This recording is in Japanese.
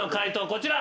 こちら。